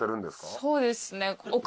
そうですね。